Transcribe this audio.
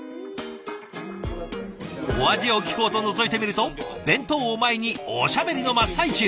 お味を聞こうとのぞいてみると弁当を前におしゃべりの真っ最中！